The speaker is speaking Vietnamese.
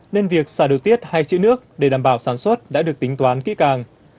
nên việc xả được tiết hai chữ nước để đảm bảo sản xuất đã được tính toán kỹ càng